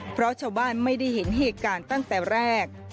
เพราะชาวบ้านไม่ได้เห็นเหตุการณ์ตั้งแต่แรก